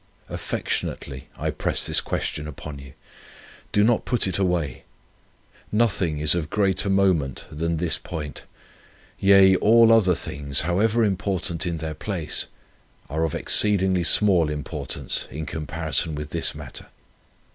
Affectionately I press this question upon you. Do not put it away. Nothing is of greater moment than this point; yea, all other things, however important in their place, are of exceedingly small importance, in comparison with this matter.